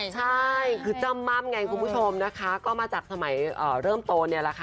ใช่คือจ้ำม่ำไงคุณผู้ชมนะคะก็มาจากสมัยเริ่มโตเนี่ยแหละค่ะ